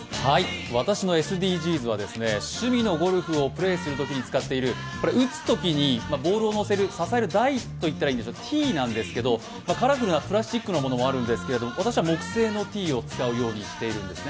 私のＳＤＧｓは趣味のゴルフをプレーするときに使っている、打つときにボールを支える台みたいなもの、ティーなんですけど、カラフルなプラスチックもあるんですけど、私は木製のティーを使うようにしてるんですね。